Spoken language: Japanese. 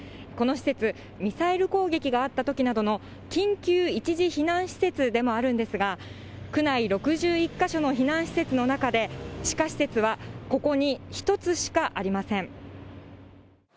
この施設、ミサイル攻撃があったときなどの緊急一時避難施設でもあるんですが、区内６１か所の避難施設の中で、地下施設はここに一つしかありません。